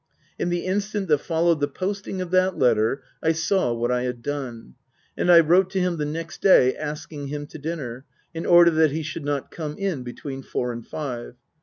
/ In the instant that followed the posting of that letter 1 saw what I had done. And I wrote to him the next day asking him to dinner, in order that he should not come in between four and five.